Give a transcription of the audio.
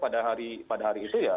dan pada hari itu ya